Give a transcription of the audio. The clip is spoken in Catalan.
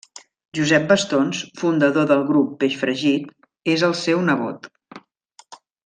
Josep Bastons, fundador del grup Peix Fregit, és el seu nebot.